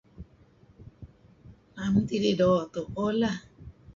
Naem tidih doo' tuuh lah.